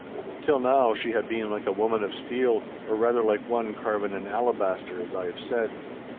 Till now she had been like a woman of steel, or rather like one carven in alabaster, as I have said.